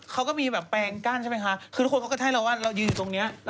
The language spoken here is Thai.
เขาก็มีแบบแปลงกั้นใช่ไหมคะคือทุกคนเขาก็ให้เราว่าเรายืนอยู่ตรงนี้